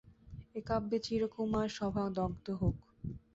এ কাব্যে চিরকুমার-সভা দগ্ধ হোক।